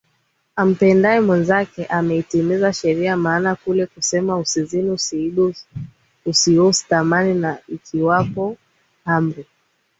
ampendaye mwenzake ameitimiza sheria Maana kule kusema Usizini Usiue Usiibe Usitamani na ikiwapo amri